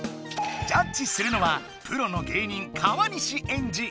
ジャッジするのはプロの芸人川西エンジ。